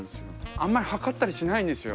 あんまり計ったりしないんですよ。